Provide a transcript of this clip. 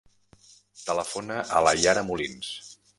Telefona a la Yara Molins.